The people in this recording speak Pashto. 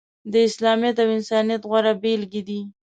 د اسلامیت او انسانیت غوره بیلګې دي.